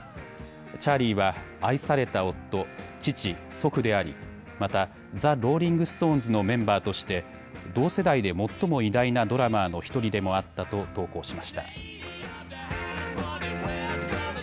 チャーリーは、愛された夫、父、祖父でありまたザ・ローリング・ストーンズのメンバーとして同世代で最も偉大なドラマーの１人でもあったと投稿しました。